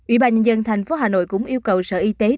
ubnd tp hà nội cũng yêu cầu sở y tế tiếp tục